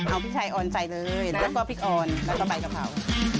เอาพริกไทยอ่อนใส่เลยแล้วก็พริกอ่อนแล้วก็ใบกะเพรา